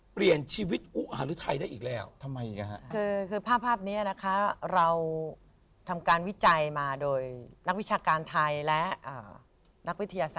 เปลี่ยนชีวิตอุหะฤทัยได้อีกแล้ว